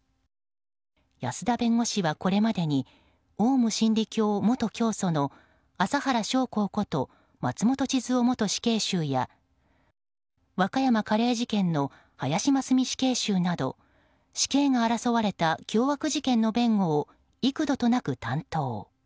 安田弁護士はこれまでにオウム真理教元教祖の麻原彰晃こと松本智津夫元死刑囚や和歌山カレー事件の林真須美死刑囚など死刑が争われた凶悪事件の弁護を幾度となく担当。